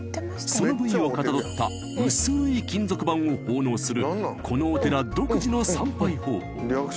その部位をかたどった薄い金属板を奉納するこのお寺独自の参拝方法